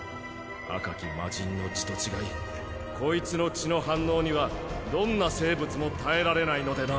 赤き魔神の血と違いこいつの血の反応にはどんな生物も耐えられないのでな。